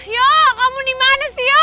yo kamu dimana sih yo